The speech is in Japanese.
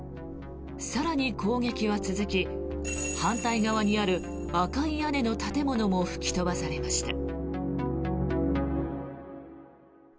更に攻撃は続き反対側にある赤い屋根の建物も吹き飛ばされました。